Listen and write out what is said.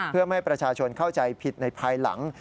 เพื่อไม่ให้ประชาชนเข้าใจผิดในภายหลัง